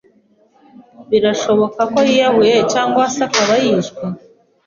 Birashoboka ko yiyahuye cyangwa se akaba yishwe?